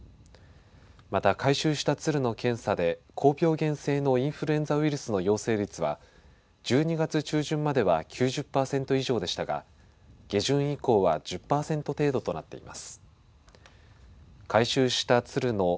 また、回収した鶴の検査で高病原性のインフルエンザの陽性率は１２月中旬までは９０パーセント以上でしたが下旬以降は１０パーセント程度となっています。